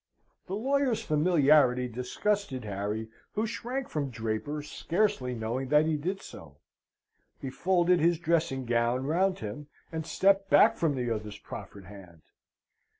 The lawyer's familiarity disgusted Harry, who shrank from Draper, scarcely knowing that he did so. He folded his dressing gown round him, and stepped back from the other's proffered hand.